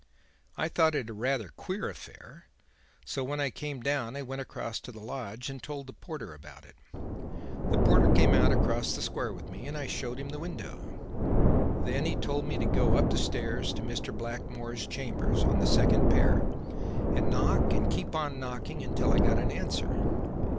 I thought it rather a queer affair, so, when I came down I went across to the lodge and told the porter about it. The porter came out across the square with me and I showed him the window. Then he told me to go up the stairs to Mr. Blackmore's chambers on the second pair and knock and keep on knocking until I got an answer.